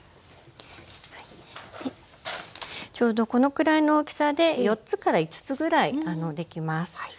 ちょうどこのくらいの大きさで４つから５つぐらいできます。